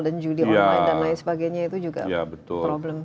dan judi online dan lain sebagainya itu juga